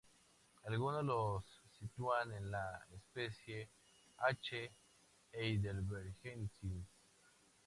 Algunos los sitúan en la especie "H. heidelbergensis".